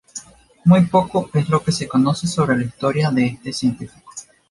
Muy poco es lo que conoce sobre la historia de este científico.